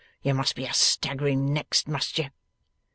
You must be a staggering next, must you?